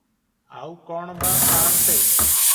ଆଉ କଅଣ ବା ପାଆନ୍ତେ?